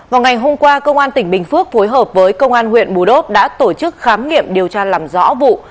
vào ngày hôm qua công an tỉnh bình phước phối hợp với công an huyện bù đốp đã tổ chức khám nghiệm điều tra làm rõ vụ